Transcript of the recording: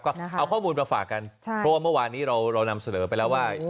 ก็เอาข้อมูลมาฝากกันเพราะว่าเมื่อวานนี้เรานำเสนอไปแล้วว่า